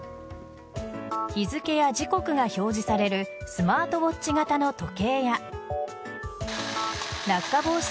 日付や時刻が表示されるスマートウォッチ型の時計や落下防止